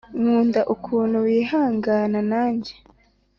nkunda ukuntu wihangana nanjye